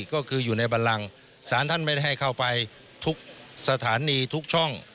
ก็คืออยู่ในบันลังสารท่านไม่ได้ให้เข้าไปทุกสถานีทุกช่อง